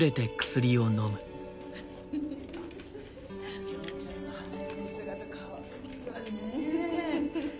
桔梗ちゃんの花嫁姿かわいいわね。